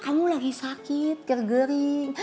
kamu lagi sakit ger gering